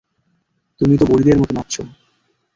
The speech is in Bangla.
তুমি তো বুড়িদের মতো নাচছ!